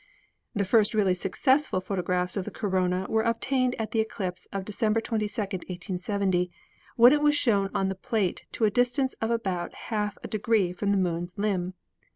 "The first really successful photographs of the corona were obtained at the eclipse of December 22, 1870, when it was shown on the plate to a distance of about half a de gree from the Moan's limb.